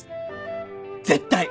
絶対！